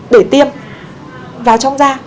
để tiêm vào trong da